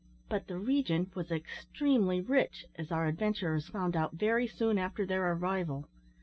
But the region was extremely rich, as our adventurers found out very soon after their arrival.